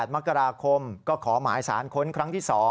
๘มกราคมก็ขอหมายสารค้นครั้งที่๒